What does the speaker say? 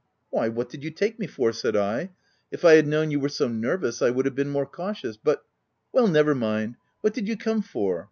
" Why, what did you take me for ?" said I, " if I had known you were so nervous, I would have been more cautious ; but " ''Well, never mind. What did you come for